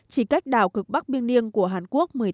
chỉ cách đảo cực bắc biên niêng của hàn quốc